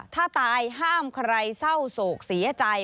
ถ้าตายห้ามใครเศร้าโศกเสียใจ